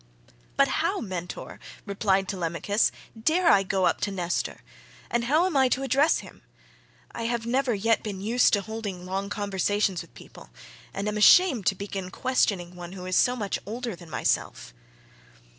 "But how, Mentor," replied Telemachus, "dare I go up to Nestor, and how am I to address him? I have never yet been used to holding long conversations with people, and am ashamed to begin questioning one who is so much older than myself."